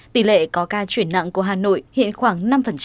tỷ lệ có ca chuyển nặng của hà nội hiện khoảng năm